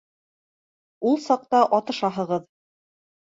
Ул саҡта атышаһығыҙ.